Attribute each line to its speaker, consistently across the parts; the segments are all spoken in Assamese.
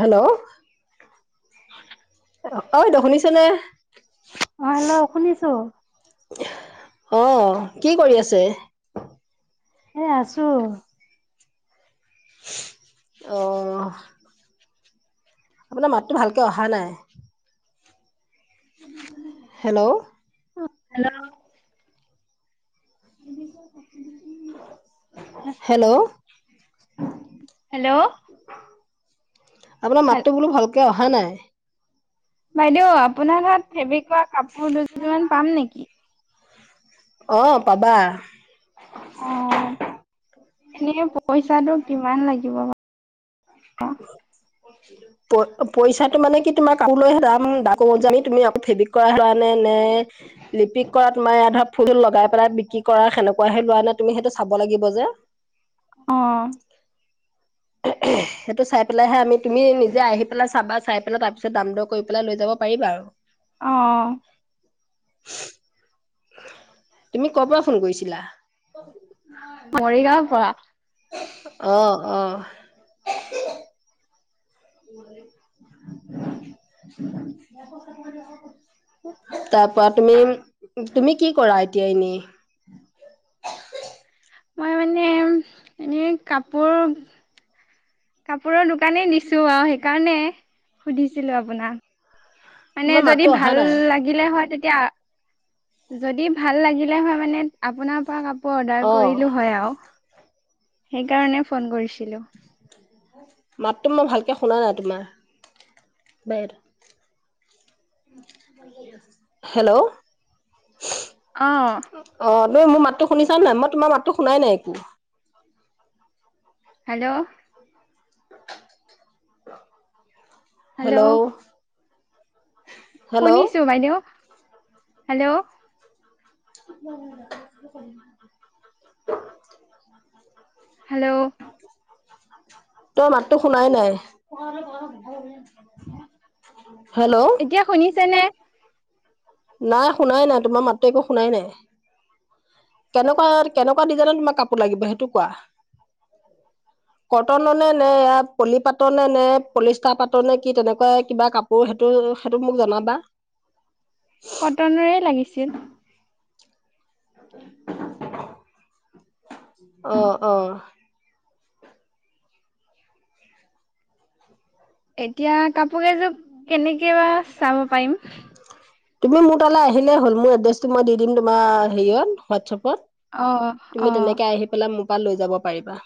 Speaker 1: হেল্ল'! অ' বাইদেউ শুনিছেনে?
Speaker 2: অ' হেল্ল'! শুনিছো।
Speaker 1: অ' কি কৰি আছে?
Speaker 2: এ আছো।
Speaker 1: অ'।
Speaker 2: [inaudible]
Speaker 1: আপোনাৰ মাতটো ভালকে অহা নাই। হেল্ল'!
Speaker 2: Hello
Speaker 1: hello
Speaker 2: [inaudible] hello!
Speaker 1: আপোনাৰ
Speaker 2: হে
Speaker 1: মাতটো বোলো ভালকে অহা নাই।
Speaker 2: বাইদেউ আপোনাৰ তাত ফেব্ৰিকৰ কাপোৰ দুযোৰমান পাম নেকি?
Speaker 1: অ' পাবা।
Speaker 2: অ' এনে পইচাটো কিমান লাগিব?
Speaker 1: প-পইচাটো মানে কি তোমাৰ কাপোৰলৈহে দাম দাম। [unintelligible] লিপিক কৰা তোমাৰ এয়া ধক ফুল ফুল লগাই পেলাই বিক্ৰী কৰা সেনেকুৱাহে লোৱা নাই, তুমি সেইটো চাব লাগিব যে।
Speaker 2: অ'।
Speaker 1: সেইটো চাই পেলাইহে আমি তুমি নিজে আহি পেলাই চাবা, চাই পেলাই তাৰপিছত দাম দৰ কৰি পেলাই, লৈ যাব পাৰিবা আৰু।
Speaker 2: অ'হ।
Speaker 1: [inaudible] তুমি কৰ পৰা ফোন কৰিছিলা? অ' অ'। [unintelligible] তাৰ পৰা তুমি তুমি কি কৰা এতিয়া এনেই?
Speaker 2: মই মানে এনে কাপোৰ কাপোৰৰ দোকানেই দিছো আও সেইকাৰণে সুধিছিলোঁ আপোনাক। মানে
Speaker 1: তোমাৰ
Speaker 2: যদি
Speaker 1: মাতটো অহা
Speaker 2: ভাল
Speaker 1: নাই।
Speaker 2: লাগ লাগিলে হয়, তেতিয়া যদি ভাল লাগিলে হয় মানে। আপোনাৰ পৰা কাপো পোৰ অৰ্ডাৰ
Speaker 1: অ'
Speaker 2: কৰিলো হয় আও, সেইকাৰণে ফোন কৰিছিলোঁ।
Speaker 1: মাতটো মই ভালকে শুনা নাই তোমাৰ। হেল্ল'!
Speaker 2: অ'।
Speaker 1: অ' তুমি মোৰ মাতটো শুনিছা নাই? মই তোমাৰ মাতটো শুনাই নাই একো।
Speaker 2: হেল্ল'!
Speaker 1: হেল্ল'! হেল্ল'
Speaker 2: শুনিছোঁ বাইদেউ। হেল্ল'!
Speaker 1: [inaudible]
Speaker 2: হেল্ল'?
Speaker 1: তোৰ মাতটো শুনাই নাই। হেল্ল'?
Speaker 2: এতিয়া শুনিছেনে?
Speaker 1: নাই শুনাই নাই, তোমাৰ মাতটো একো শুনাই নাই। কেনেকুৱা, কেনেকুৱা, ডিজাইনত তোমাক কাপোৰ লাগিব সেইটো কোৱা? কটনৰ, নে ইয়াৰ পলি পাতনে, নে পলিষ্টাৰ পাতনে, কি তেনেকুৱা কিবা কাপ কৈ সেইটো সেইটো মোক জনাবা।
Speaker 2: কটনৰে লাগিছিল।
Speaker 1: [unintelligible] অ', অ'।
Speaker 2: এতিয়া কাপোৰ কেইযোৰ কেনেকে বা চাব পাৰিম?
Speaker 1: তুমি মোৰ তালে আহিলেই হ'ল, মোৰ এড্ৰেছটো মই দি দিম তোমাৰ হেৰিয়ত
Speaker 2: অ
Speaker 1: হোৱাটছএপত।
Speaker 2: অ
Speaker 1: তুমি তেনেকে আহি পেলাই মোৰ পৰা লৈ যাব পাৰিবা।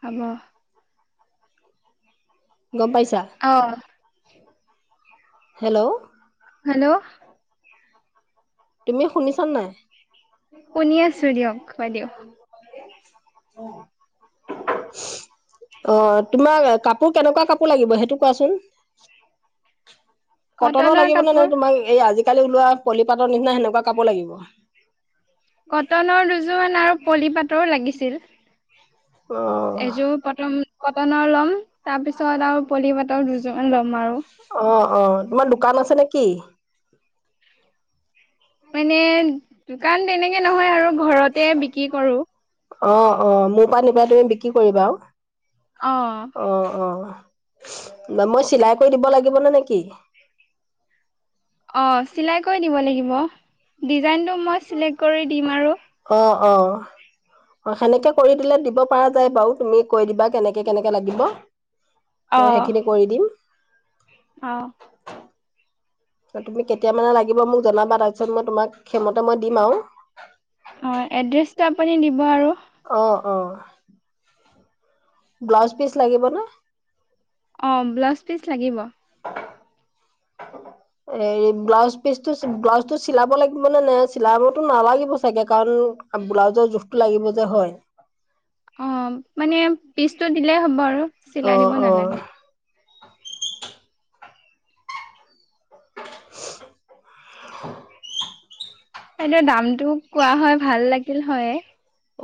Speaker 2: হ'ব।
Speaker 1: গ'ম পাইছা।
Speaker 2: অ
Speaker 1: হেল্ল'?
Speaker 2: হেল্ল'?
Speaker 1: তুমি শুনিছা নে নাই?
Speaker 2: শুনি আছো দিয়ক বাইদেউ
Speaker 1: [unintelligible] অ', তোমাক কাপোৰ কেনেকুৱা কাপোৰ লাগিব, সেইটো কোৱাচোন? কটনৰ লাগিবনে? নে তোমাক এই আজিকালি ওলোৱা পলিপাতৰ নিচিনা সেনেকুৱা কাপোৰ লাগিব?
Speaker 2: কটনৰ দুযোৰ আৰু পলিপাতৰো লাগিছিল। এযোৰ
Speaker 1: অ'
Speaker 2: পটন কটনৰ ল'ম, তাৰ পিছত আৰু পলিপাতৰ দুযোৰমান ল'ম আৰু।
Speaker 1: অ', অ', তোমাৰ দোকান আছে নেকি?
Speaker 2: মানে দোকান তেনেকে নহয় আৰু ঘৰতে বিক্ৰী কৰো
Speaker 1: অ', অ', মোৰ পা নিবা তুমি বিক্ৰী কৰিবা আৰু।
Speaker 2: অ'।
Speaker 1: অ', অ', মই চিলাই কৰি দিব লাগিব নে নেকি?
Speaker 2: অ', চিলাই কৰি দিব লাগিব, ডিজাইনটো মই চিলেক্ট কৰি দিম আৰু।
Speaker 1: অ', অ', সেনেকে কৰি দিলে, দিব পাৰা। যাই বাৰু তুমি কৈ দিবা, কেনেকে কেনেকে লাগিব মই
Speaker 2: অ',
Speaker 1: সেইখিনি কৰি দিম।
Speaker 2: অ'।
Speaker 1: ত' তুমি কেতিয়া মানে লাগিব মোক জনাবা, তাৰপিছত মই তোমাক সেই মতে মই দিম আৰু।
Speaker 2: হয়, এড্ৰেছটো আপুনি দিব আৰু।
Speaker 1: অ', অ'। ব্লাউজ পিচ লাগিবনে
Speaker 2: অ', ব্লাউজ পিচ লাগিব।
Speaker 1: হেৰি, ব্লাউজ পিছটো ব্লাউজ টো চিলাব লাগিবনে? চিলাবতো নালাগিব চাগে, কাৰণ ব্লাউজৰ জোখতটো লাগিব যে হয়।
Speaker 2: অ', মানে পিচটো দিলেই হ'ব আৰু,
Speaker 1: অ
Speaker 2: চিলাই দিব
Speaker 1: অ
Speaker 2: নালাগে।
Speaker 1: [unintelligible]
Speaker 2: এনেই দামটো কোৱা হয় ভাল লাগিল হয়।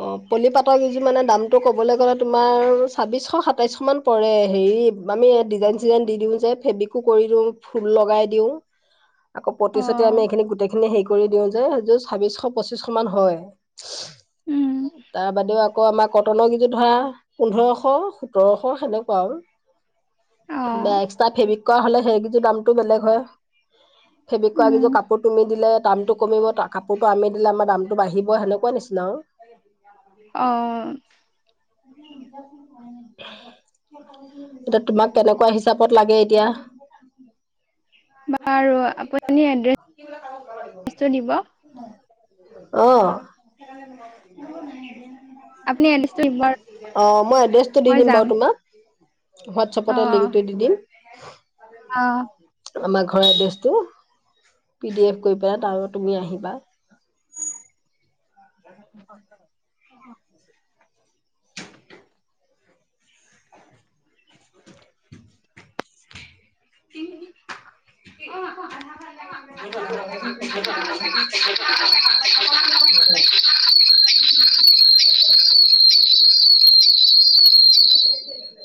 Speaker 1: অ', পলিপাতৰ কিযোৰ মানে দামটো ক'বলৈ গ'লে তোমাৰ ছাব্বিচশ সাতাইছশ মান পৰে, হেৰি আমি ডিজাইন চিজাইন দি দিওঁ যে, ফেব্ৰিকো কৰি দিওঁ, ফুল লগাই দিও, আকৌ পতি চটি
Speaker 2: অ',
Speaker 1: আমি এইখিনি গোটেই খিনি হেৰি কৰি দিওঁ যে, এযোৰ চাবিছশ পঁচিচশ মান হয়,
Speaker 2: উম,
Speaker 1: তাৰ বাদেও আকৌ আমাৰ কটনৰ কিযোৰ ধৰা পোন্ধৰশ সোতৰশ সেনেকুৱা আৰু, ল বা
Speaker 2: অ',
Speaker 1: এক্সট্ৰা ফেব্ৰিক কৰা হ'লে সেইকেইযোৰ দামটো বেলেগ হয়।
Speaker 2: [inaudible]
Speaker 1: ফেব্ৰিক কৰা কেইযোৰ কাপোৰ দিলে দামটো কমিব, কাপোৰটো আমি দিলে আমাৰ বাঢ়িব, সেনেকুৱা নিচিনা আৰু।
Speaker 2: অ'।
Speaker 1: [inaudible] এতিয়া তোমাক কেনেকুৱা হিচাপত লাগে এতিয়া
Speaker 2: বাৰু আপুনি এড্ৰেছ
Speaker 1: অ'।
Speaker 2: আপুনি এড্ৰেছটো দিব আৰু।
Speaker 1: অ মই এড্ৰেছটো দি
Speaker 2: মই
Speaker 1: দিম
Speaker 2: যাম
Speaker 1: বাৰু তোমাক। হোৱাটছপতে
Speaker 2: অ',
Speaker 1: লিংকটো দি দিম। আমাৰ ঘৰৰ এড্ৰেছটো, পি ডি এফ কৰি পেলাই তাৰ তুমি আহিবা। [inaudible]
Speaker 2: [inaudible] [unintelligible]
Speaker 1: [unintelligible]
Speaker 2: অ'।
Speaker 1: [unintelligible] [unintelligible]